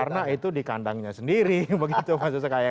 karena itu dikandangnya sendiri begitu pak sosekaya